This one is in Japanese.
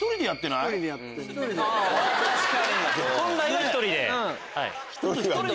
本来は１人で。